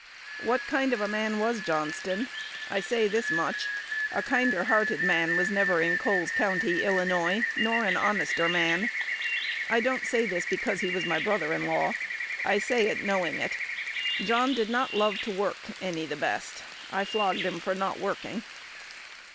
"What kind of a man was Johnston?" "I say this much: A kinder hearted man never was in Coles County, Illinois, nor an honester man. I don't say this because he was my brother in law: I say it, knowing it. John did not love to work any the best. I flogged him for not working."